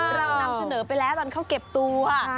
เรานำเสนอไปแล้วตอนเขาเก็บตัว